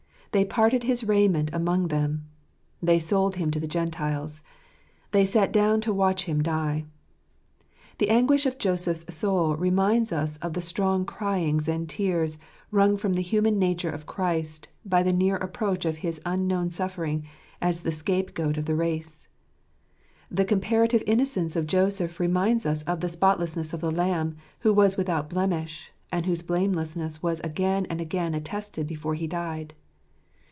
" They parted his raiment among them." They sold Him to the Gentiles. They sat down to watch Him die. The anguish of Joseph's soul reminds us of the strong cryings and tears wrung from the human nature of Christ by the near approach of His unknown sufferings as the scapegoat of the race. The comparative innocence of Joseph reminds us of the spotlessness of the Lamb who was without blemish, and whose blamelessness was again and again attested before He died.